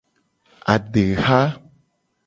Adeha.